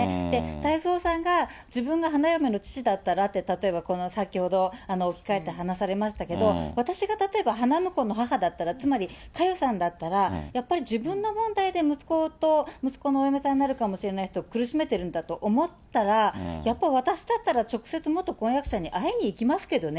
太蔵さんが、自分が花嫁の父だったらって、例えば先ほど置き換えて話されましたけど、私が例えば花婿の母だったら、つまり佳代さんだったら、自分の問題で息子と、息子のお嫁さんになるかもしれない人を苦しめてるんだと思ったら、やっぱり、私だったら直接、元婚約者に会いにいきますけどね。